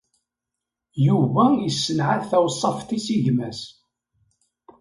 Yuba yessenɛat taweṣṣaft-is i gma-s.